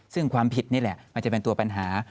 ซึ่งความผิดนี่แหละมันจะเป็นตัวปัญหา